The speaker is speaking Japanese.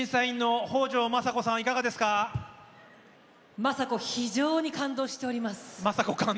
政子非常に感動しております。